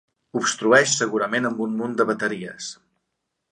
Obstrueix, segurament amb un munt de bateries.